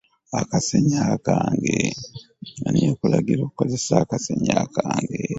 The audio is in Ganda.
Ani yakulagira okukozesa akasenya kange .